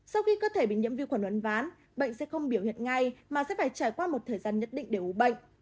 sau khi cơ thể bị nhiễm vi khuẩn uốn ván bệnh sẽ không biểu hiện ngay mà sẽ phải trải qua một thời gian nhất định để ủ bệnh